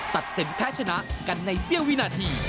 ตัดสินแพ้ชนะกันในเสี้ยววินาที